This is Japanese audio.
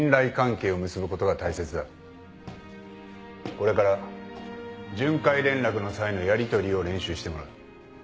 これから巡回連絡の際のやりとりを練習してもらう